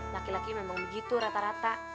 laki laki memang begitu rata rata